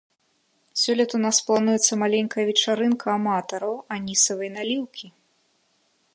Сёлета ў нас плануецца маленькая вечарынка аматараў анісавай наліўкі.